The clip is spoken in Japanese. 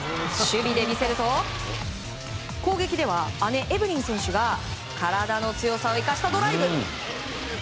守備で見せると攻撃では、姉エブリン選手が体の強さを生かしたドライブ。